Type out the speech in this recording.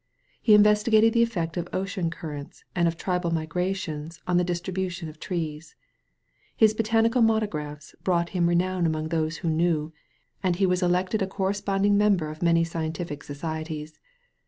He investigated the eflFect of ocean currents and of tribal migrations in the distribu tion of trees. His botanical monographs brought him renown among those who know, and he was 44 A SANCTUARY OP TREES elected a corresponding member of many scientific societies.